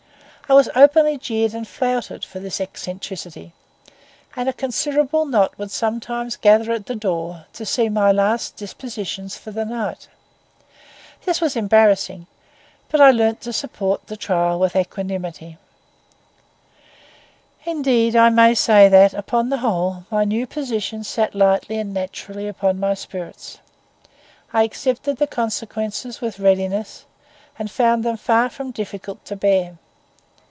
I was openly jeered and flouted for this eccentricity; and a considerable knot would sometimes gather at the door to see my last dispositions for the night. This was embarrassing, but I learned to support the trial with equanimity. Indeed I may say that, upon the whole, my new position sat lightly and naturally upon my spirits. I accepted the consequences with readiness, and found them far from difficult to bear.